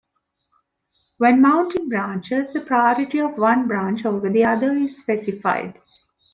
When mounting branches, the priority of one branch over the other is specified.